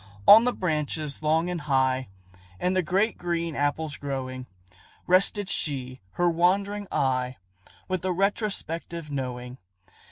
On the branches long and high, And the great green apples growing, Rested she her wandering eye, With a retrospective knowing.